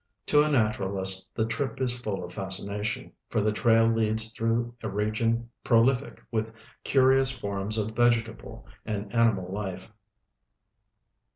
To a naturalist the trip is full of fascination, for the trail leads through a region ])rolific with curious forms of vegetable and animal life.